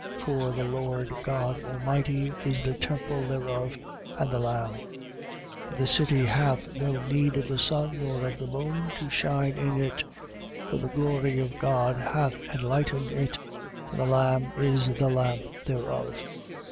For the Lord God Almighty is the temple thereof, and the Lamb. 21:23. And the city hath no need of the sun, nor of the moon, to shine in it. For the glory of God hath enlightened it: and the Lamb is the lamp thereof.